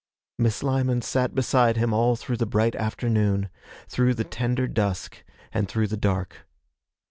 Miss Lyman sat beside him all through the bright afternoon, through the tender dusk, and through the dark.